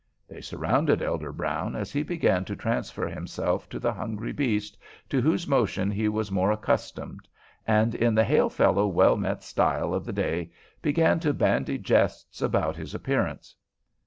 They surrounded Elder Brown as he began to transfer himself to the hungry beast to whose motion he was more accustomed, and in the "hail fellow well met" style of the day began to bandy jests upon his appearance.